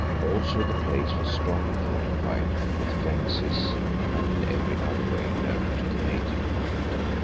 Also the place was strongly fortified with fences and in every other way known to the native mind.